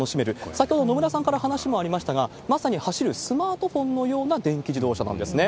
先ほど野村さんから話もありましたが、まさに走るスマートフォンのような電気自動車なんですね。